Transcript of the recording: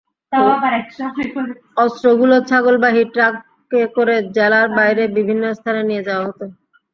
অস্ত্রগুলো ছাগলবাহী ট্রাকে করে জেলার বাইরে বিভিন্ন স্থানে নিয়ে যাওয়া হতো।